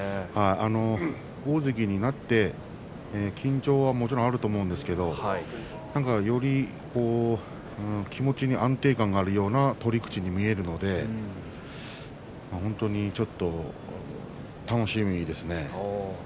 大関になって緊張はもちろんあると思うんですけれどより気持ちに安定感があるような取り口に見えるので本当にちょっと楽しみですね。